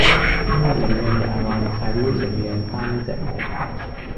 今日領養日啊餵，快啲去領養返一隻毛孩